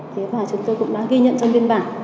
thế và chúng tôi cũng đã ghi nhận trong biên bản